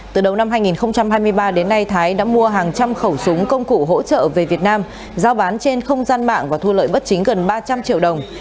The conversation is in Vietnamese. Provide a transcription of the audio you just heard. từ đầu năm hai nghìn hai mươi ba đến nay thái đã mua hàng trăm khẩu súng công cụ hỗ trợ về việt nam giao bán trên không gian mạng và thu lợi bất chính gần ba trăm linh triệu đồng